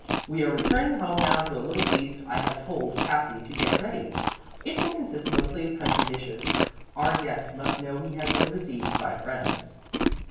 "We are returning home now to a little feast I have told Kathy to get ready. It will consist mostly of country dishes. Our guest must know he has been received by friends."